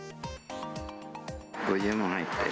５０万入ってる。